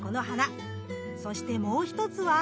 そしてもう１つは。